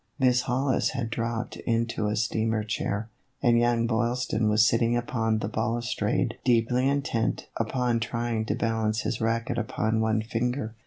Miss Hollis had dropped into a steamer chair, and young Boylston was sitting upon the balustrade deeply intent upon trying to balance his racquet upon one finger.